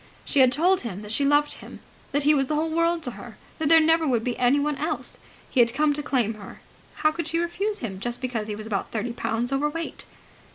She had told him that she loved him, that he was the whole world to her, that there never would be anyone else. He had come to claim her. How could she refuse him just because he was about thirty pounds overweight?